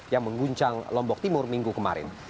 yang mengguncang lombok timur minggu kemarin